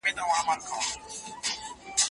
که استاد ساده کلمې وکاروي نو املا اسانه وي.